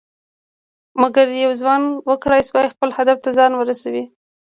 مګر یو ځوان وکړى شوى خپل هدف ته ځان ورسوي.